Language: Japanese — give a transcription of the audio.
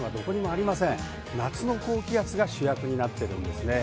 夏の高気圧が主役になっています。